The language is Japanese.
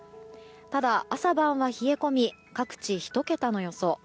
ただ、朝晩は冷え込み各地、１桁の予想。